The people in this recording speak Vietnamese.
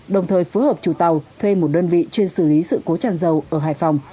đồng thời phối hợp chủ tàu thuê một đơn vị chuyên xử lý sự cố tràn dầu ở hải phòng